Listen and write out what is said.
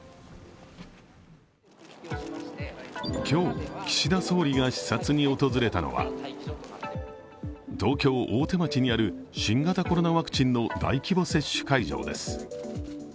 今日、岸田総理が視察に訪れたのは東京・大手町にある新型コロナワクチンの大規模接種会場です。